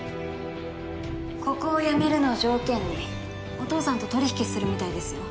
ここを辞めるのを条件にお父さんと取引するみたいですよ。